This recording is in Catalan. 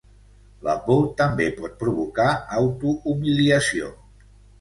La por també pot provocar autohumiliació.